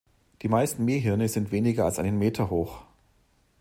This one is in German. Die meisten Menhire sind weniger als einen Meter hoch.